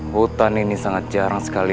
hutan ini sangat jarang sekali